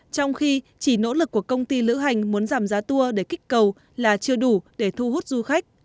trong khi chỉ nỗ lực của công ty lữ hành muốn giảm giá tour để kích cầu là chưa đủ để thu hút du khách